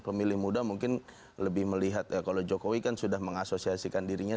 pemilih muda mungkin lebih melihat kalau jokowi kan sudah mengasosiasikan dirinya